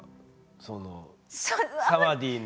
そのサワディーの。